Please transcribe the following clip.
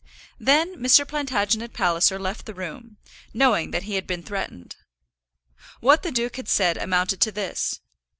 Then Mr. Plantagenet Palliser left the room, knowing that he had been threatened. What the duke had said amounted to this.